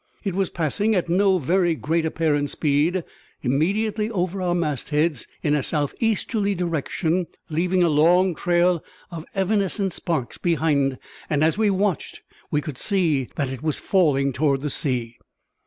It was passing, at no very great apparent speed, immediately over our mastheads, in a south easterly direction, leaving a long trail of evanescent sparks behind it, and as we watched we could see that it was falling toward the sea.